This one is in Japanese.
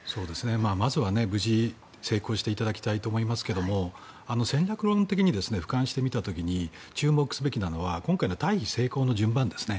まずは無事成功していただきたいと思いますが戦略論的に俯瞰して見た時に注目すべきなのは今回の退避成功の順番ですね。